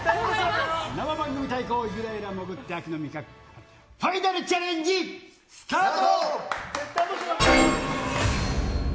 生番組対抗ユラユラ潜って秋の味覚、ファイナルチャレンジ、スタート。